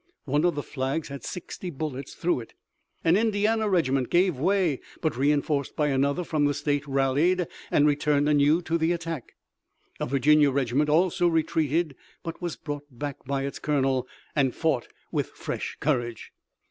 One of the flags had sixty bullets through it. An Indiana regiment gave way, but reinforced by another from the state rallied and returned anew to the attack. A Virginia regiment also retreated but was brought back by its colonel, and fought with fresh courage.